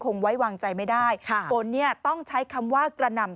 คงไว้วางใจไม่ได้ค่ะฝนเนี่ยต้องใช้คำว่ากระหน่ำ